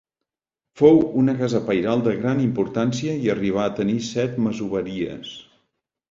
Fou una casa pairal de gran importància i arribà a tenir set masoveries.